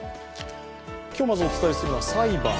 今日まずお伝えするのは裁判。